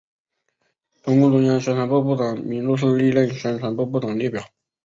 中共中央宣传部部长名录是历任宣传部部长列表。